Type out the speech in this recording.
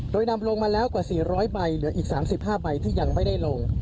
โดยนำลงมาแล้วกว่า๔๐๐ใบเหลืออีก๓๕ใบที่ยังไม่ได้ลง